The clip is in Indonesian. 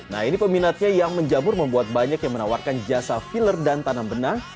nah ini peminatnya yang menjamur membuat banyak yang menawarkan jasa filler dan tanam benang